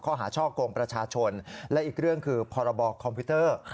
ข้อหาช่อกงประชาชนและอีกเรื่องคือพรบคอมพิวเตอร์